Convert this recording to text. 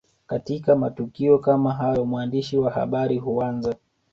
Katika matukio kama hayo mwandishi wa habari huanza